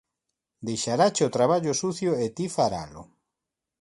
Deixarache o traballo sucio, e ti faralo.